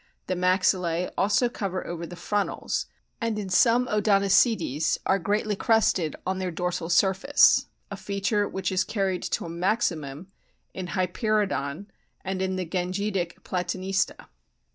The maxillae also cover over the frontals, and in some Odontocetes are greatly crested on their dorsal surface, a feature which is carried to a maximum in Hyperoodon and in the Gangetic Platanista.